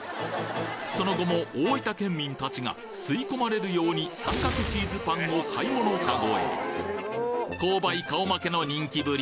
その後も大分県民たちが吸い込まれるように三角チーズパンを買い物かごへ購買顔負けの人気ぶり。